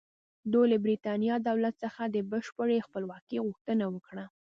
دوی له برېټانیا دولت څخه د بشپړې خپلواکۍ غوښتنه وکړه.